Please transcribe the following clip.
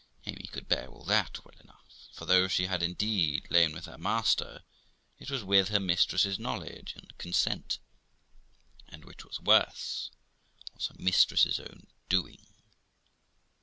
Amy could bear all that well enough, for though she had indeed lain with her master, it was with her mistress's knowledge and consent, and, which was worse, was her mistress's own doing.